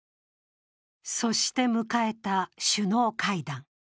そして迎えた首脳会談。